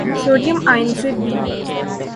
sodium ion سے ب